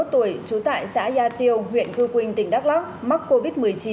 hai mươi một tuổi trú tại xã gia tiêu huyện khư quynh tỉnh đắk lắc mắc covid một mươi chín